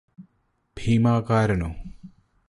ഭീമാകാരനോ